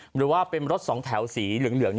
หรือว่าเป็นรถสองแถวสีเหลือง